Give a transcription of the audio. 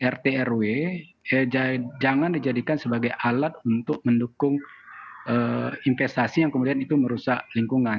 rt rw jangan dijadikan sebagai alat untuk mendukung investasi yang kemudian itu merusak lingkungan